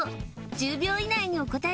１０秒以内にお答え